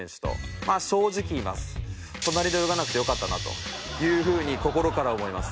隣で泳がなくてよかったなという風に心から思います。